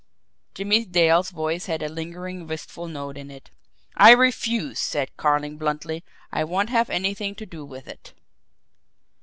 Jimmie Dale's voice had a lingering, wistful note in it. "I refuse!" said Carling bluntly. "I won't have anything to do with it."